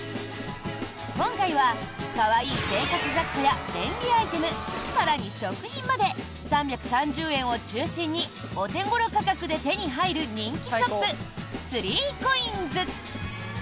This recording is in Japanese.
今回は、可愛い生活雑貨や便利アイテム、更に食品まで３３０円を中心にお手頃価格で手に入る人気ショップ、３ＣＯＩＮＳ。